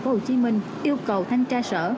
vận tải tp hcm yêu cầu thanh tra sở